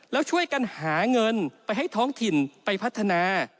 แล้วช่วยกันหาเงินไปให้ท้องถิ่นไปพัฒนา